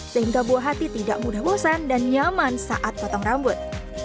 sehingga buah hati tidak mudah bosan dan nyaman saat potong rambut